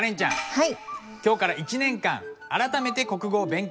はい。